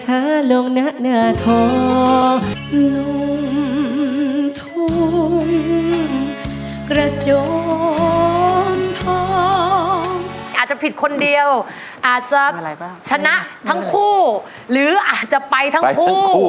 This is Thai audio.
อาจจะผิดคนเดียวอาจจะชนะทั้งคู่หรืออาจจะไปทั้งคู่